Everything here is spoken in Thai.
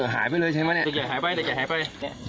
หายไปเลยใช่ไหมเนี่ย